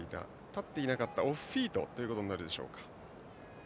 立っていなかったオフフィートとなるでしょうか。